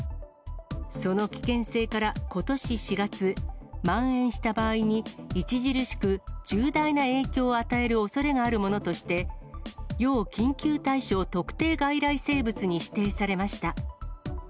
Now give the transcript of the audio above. その危険性からことし４月、まん延した場合に著しく重大な影響を与えるおそれがあるものとして、要緊急対処特定外来生物に指定されました。